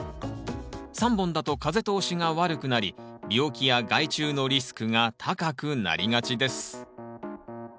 ３本だと風通しが悪くなり病気や害虫のリスクが高くなりがちです。